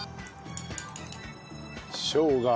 しょうが。